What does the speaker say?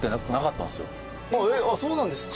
えっそうなんですか？